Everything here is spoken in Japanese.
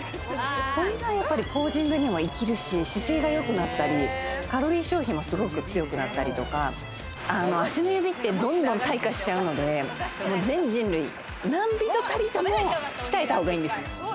それがやっぱりポージングにも生きるし、姿勢がよくなったり、カロリー消費もすごく強くだったりとか足の指ってどんどん退化しちゃうので、全人類なんびとたりとも、鍛えた方がいいんです。